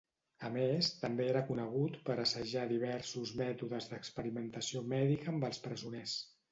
A més també era conegut per assajar diversos mètodes d'experimentació mèdica amb els presoners.